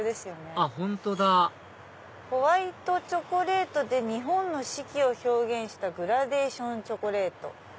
あっ本当だ「ホワイトチョコレートで日本の四季を表現したグラデーションチョコレート」。